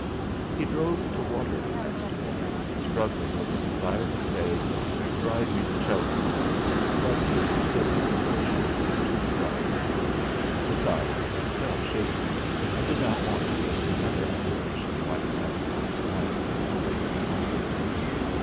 He drove to Waterloo next morning, struggling with a desire to say: '.rive me to Chelsea.' But his sense of proportion was too strong. Besides, he still felt shaky, and did not want to risk another aberration like that of last night, away from home.